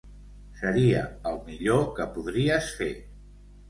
Seria el millor que podries fer.